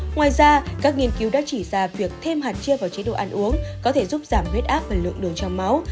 ngoài ra các nghiên cứu đã chỉ ra việc thêm hạt chia vào chế độ ăn uống có thể giúp giảm huyết áp và lượng đường trong máu